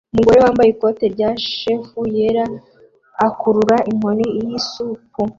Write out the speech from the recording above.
Umugore wambaye ikoti rya chef yera akurura inkono yisupu